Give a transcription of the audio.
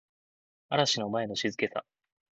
嵐の前の静けさ